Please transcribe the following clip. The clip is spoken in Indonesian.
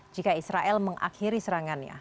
jika israel mengakhiri serangannya